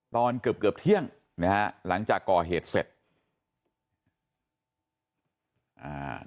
ตอนเกือบเกือบเที่ยงนะฮะหลังจากก่อเหตุเสร็จอ่า